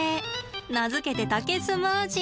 名付けて竹スムージー！